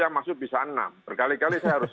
masuk bisa enam berkali kali saya harus